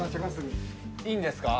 いいんですか？